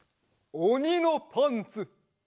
「おにのパンツ」！